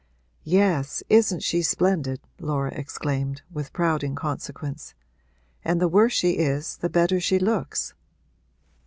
'Yes, isn't she splendid?' Laura exclaimed, with proud inconsequence. 'And the worse she is the better she looks.'